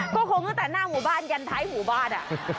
ก็คงตั้งแต่หน้าหมู่บ้านยันท้ายหมู่บ้าน